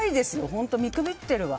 本当、見くびってるわ。